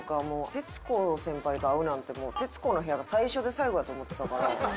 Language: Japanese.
徹子先輩と会うなんてもう『徹子の部屋』が最初で最後やと思ってたから。